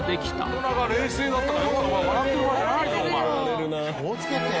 「大人が冷静だったからよかった」「笑ってる場合じゃないぞお前」「気をつけて」